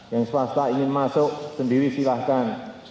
yang swasta ingin masuk sendiri silahkan